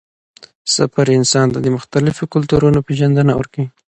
سفر انسان ته د مختلفو کلتورونو پېژندنه ورکوي